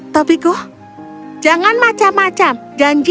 tapi goh jangan macam macam janji